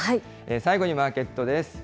最後にマーケットです。